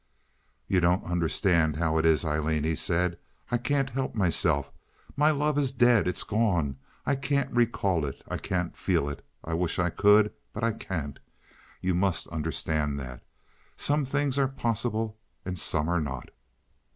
"You don't understand how it is, Aileen," he said. "I can't help myself. My love is dead. It is gone. I can't recall it. I can't feel it. I wish I could, but I can't; you must understand that. Some things are possible and some are not."